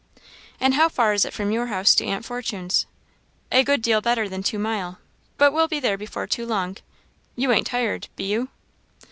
"And how far is it from your house to Aunt Fortune's?" "A good deal better than two mile; but we'll be there before long. You ain't tired, be you?"